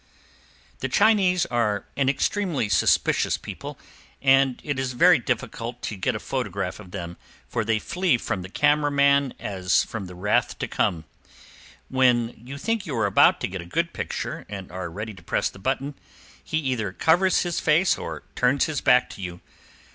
[Illustration: IN CHINATOWN] The Chinese are an extremely superstitious people, and it is very difficult to get a photograph of them, for they flee from the camera man as from the wrath to come. When you think you are about to get a good picture, and are ready to press the button, he either covers his face, or turns his back to you.